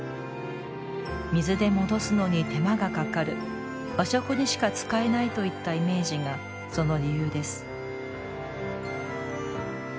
「水で戻すのに手間がかかる」「和食にしか使えない」といったイメージがその理由です。